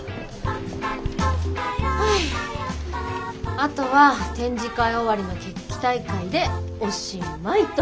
あとは展示会終わりの決起大会でおしまいと。